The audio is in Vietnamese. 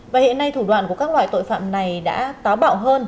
và hiện nay thủ đoạn của các loại tội phạm này đã táo bạo hơn